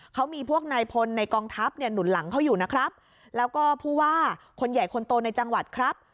เขามีพวกนายพลในกองทัพเนี่ยหนุนหลังเขาอยู่นะครับแล้วก็ผู้ว่าคนใหญ่คนโตในจังหวัดครับ